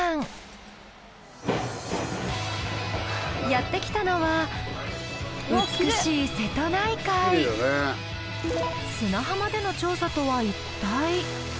やって来たのは美しい砂浜での調査とは一体？